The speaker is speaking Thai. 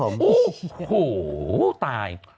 โอ้โหตาย